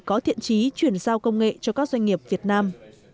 có thiện trí chuyển giao công nghệ cho các doanh nghiệp việt nam